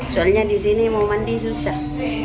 soalnya disini mau mandi susah